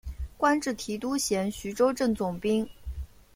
官至提督衔徐州镇总兵。